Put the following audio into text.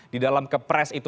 di dalam kepres itu